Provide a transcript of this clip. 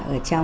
ở thu lâm